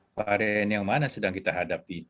varian yang mana sedang kita hadapi